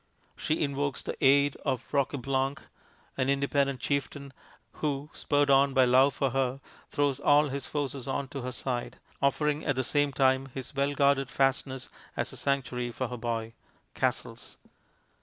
She invokes the aid of Roqueblanc, an independent chieftain, who, spurred on by love for her, throws all his forces on to her side, offering at the same time his well guarded fastness as a sanctuary for her boy. ("Castles.")